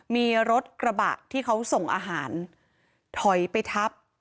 มีรถกระบะที่เขาส่งอาหารถอยไปทับ